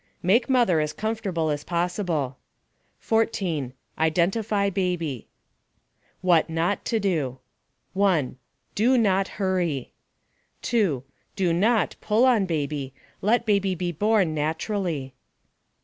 Make mother as comfortable as possible. 14. Identify baby. What Not To Do 1. DO NOT hurry. 2. DO NOT pull on baby, let baby be born naturally.